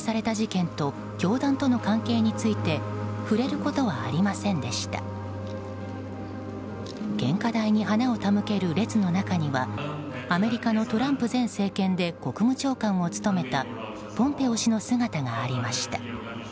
献花台に花を手向ける列の中にはアメリカのトランプ前政権で国務長官を務めたポンペオ氏の姿がありました。